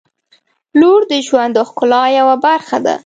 • لور د ژوند د ښکلا یوه برخه ده.